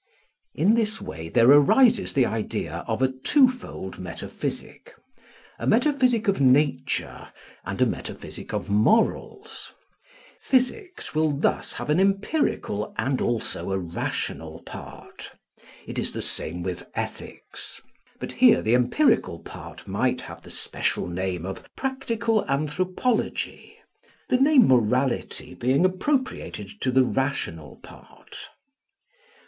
In this way there arises the idea of a twofold metaphysic a metaphysic of nature and a metaphysic of morals. Physics will thus have an empirical and also a rational part. It is the same with Ethics; but here the empirical part might have the special name of practical anthropology, the name morality being appropriated to the rational part.